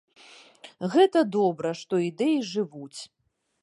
Гэта добра, што ідэі жывуць.